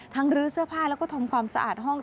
ลื้อเสื้อผ้าแล้วก็ทำความสะอาดห้อง